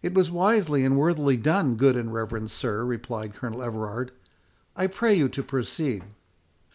"It was wisely and worthily done, good and reverend sir," replied Colonel Everard. "I pray you to proceed."